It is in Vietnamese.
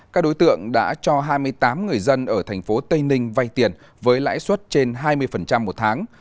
các đối tượng đã cho hai mươi tám người dân ở thành phố tây ninh vay tiền với lãi suất trên hai mươi một tháng